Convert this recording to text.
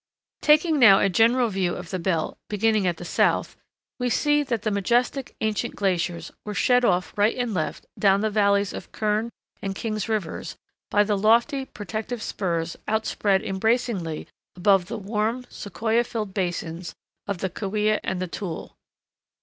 Taking now a general view of the belt, beginning at the south, we see that the majestic ancient glaciers were shed off right and left down the valleys of Kern and King's rivers by the lofty protective spurs outspread embracingly above the warm Sequoia filled basins of the Kaweah and Tule.